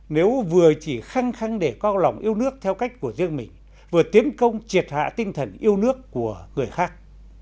nếu vừa chỉ khăng khăng để cao lòng yêu nước theo cách của riêng mình vừa tiến công triệt hạ tinh thần yêu nước của người khác